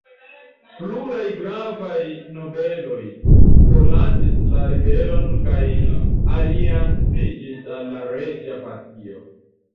Pluraj gravaj nobeloj forlasis la ribelon kaj alianciĝis al la reĝa partio.